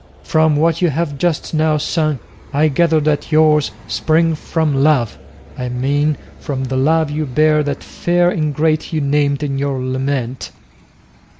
From what you have just now sung I gather that yours spring from love, I mean from the love you bear that fair ingrate you named in your lament."